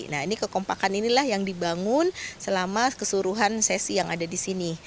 nah ini kekompakan inilah yang dibangun selama keseluruhan sesi yang ada di sini